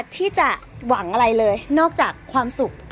ที่จะหวังอะไรเลยนอกจากความสุข